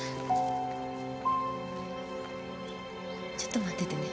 ちょっと待っててね。